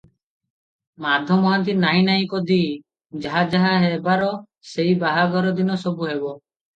ମାଧ ମହାନ୍ତି-ନାହିଁ ନାହିଁ ପଦୀ, ଯାହା ଯାହା ହେବାର; ସେଇ ବାହାଘର ଦିନ ସବୁ ହେବ ।